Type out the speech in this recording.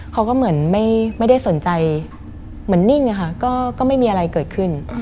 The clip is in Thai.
เขาก็เหมือนไม่ได้สนใจเหมือนนิ่งค่ะก็ไม่มีอะไรเกิดขึ้น